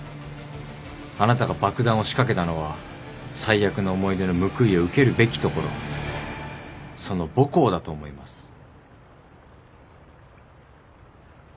あなたが爆弾を仕掛けたのは最悪の思い出の報いを受けるべき所その母校だと思います。